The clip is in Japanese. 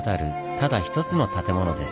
ただ一つの建物です。